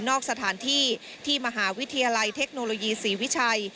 สถานที่ที่มหาวิทยาลัยเทคโนโลยีศรีวิชัย